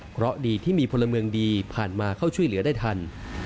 เพราะดีที่มีพลเมืองดีผ่านมาเข้าช่วยเหลือได้ทัน